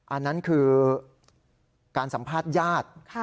อันนั้นคือการสัมภาษณ์ญาติ